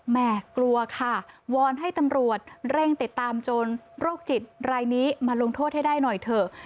แม่กลัวค่ะวอนให้ตำรวจเร่งติดตามโจรโรคจิตรายนี้มาลงโทษให้ได้หน่อยเถอะ